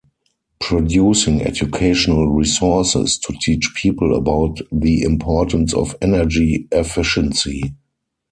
Producing educational resources to teach people about the importance of energy efficiency.